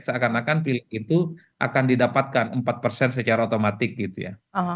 seakan akan pilek itu akan didapatkan empat secara otomatik gitu ya